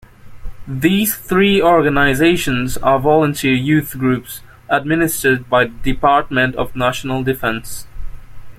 These three organizations are volunteer youth groups administered by the Department of National Defence.